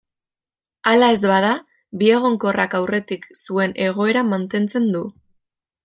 Hala ez bada, biegonkorrak aurretik zuen egoera mantentzen du.